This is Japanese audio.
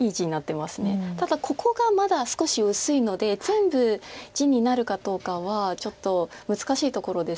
ただここがまだ少し薄いので全部地になるかどうかはちょっと難しいところですけれども。